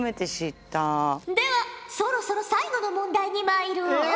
ではそろそろ最後の問題にまいろう。